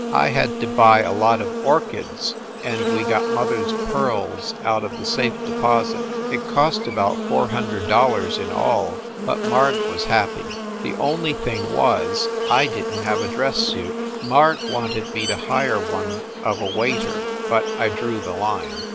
I had to buy a lot of orchids, and we got mother s pearls out of the safe deposit. It cost about four hundred dollars in all, but Marg was happy. The only thing was I didn t have a dress suit. Marg wanted me to hire one of a waiter, but I drew the line.